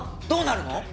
どうなるの？